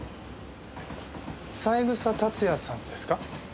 三枝達也さんですか？